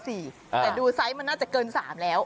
แต่ดูไซส์มันน่าจะเกิน๓แล้ว